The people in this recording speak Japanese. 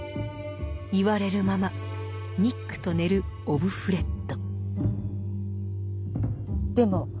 言われるままニックと寝るオブフレッド。